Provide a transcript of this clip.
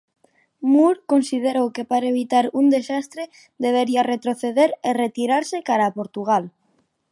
Moore considerou que para evitar un desastre debería retroceder e retirarse cara a Portugal.